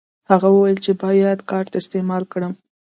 هغه وویل چې باید کارت استعمال کړم.